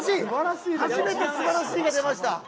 初めて「素晴らしい」が出ました。